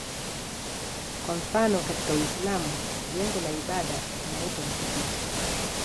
Kwa mfano katika Uislamu jengo la ibada linaitwa msikiti.